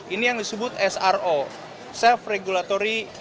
ini yang disebut sro self regulatory